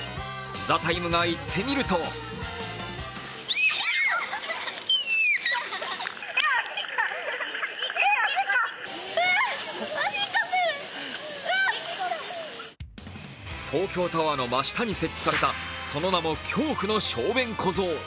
「ＴＨＥＴＩＭＥ，」が行ってみると東京タワーの真下に設置された、その名も恐怖の小便小僧。